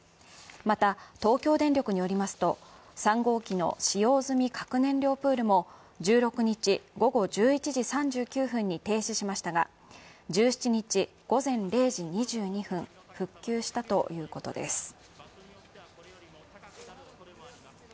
また東京電力によりますと、３号機の使用済み核燃料プールも１６日午後１１時３９分に停止しましたが１７日午前０時２２分、復旧したということです。